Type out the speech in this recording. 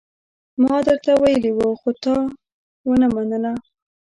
ما درته ويلي وو، خو تا ونه منله.